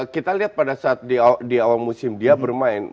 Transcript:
kita lihat pada saat di awal musim dia bermain